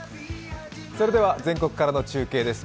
それでは、全国からの中継です。